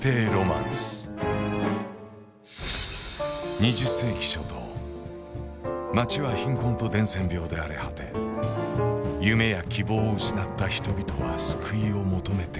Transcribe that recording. ２０世紀初頭街は貧困と伝染病で荒れ果て夢や希望を失った人々は救いを求めていた。